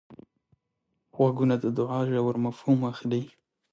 غوږونه د دوعا ژور مفهوم اخلي